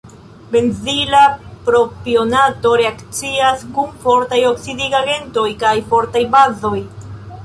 Benzila propionato reakcias kun fortaj oksidigagentoj kaj fortaj bazoj.